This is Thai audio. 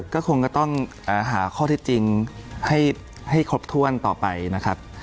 ก็คงก็ต้องหาข้อเท็จจริงให้ครบถ้วนต่อไปนะครับ